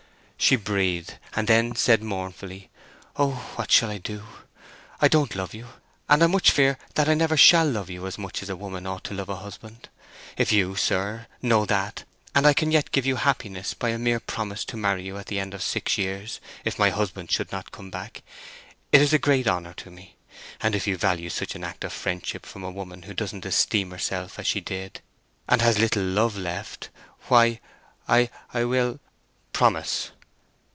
She breathed; and then said mournfully: "Oh what shall I do? I don't love you, and I much fear that I never shall love you as much as a woman ought to love a husband. If you, sir, know that, and I can yet give you happiness by a mere promise to marry at the end of six years, if my husband should not come back, it is a great honour to me. And if you value such an act of friendship from a woman who doesn't esteem herself as she did, and has little love left, why I—I will—" "Promise!"